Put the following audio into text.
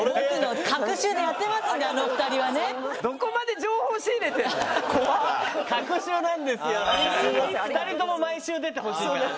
２人とも毎週出てほしいから。